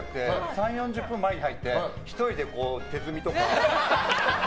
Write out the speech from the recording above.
３０４０分前に入って１人で手積みとか。